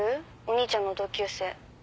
お兄ちゃんの同級生。